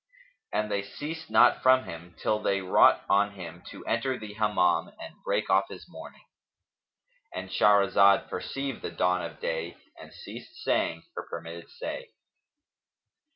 And they ceased not from him till they wrought on him to enter the Hammam and break off his mourning.—And Shahrazad perceived the dawn of day and ceased saying her permitted say.